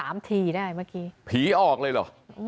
มิผีออกเลยเหรอ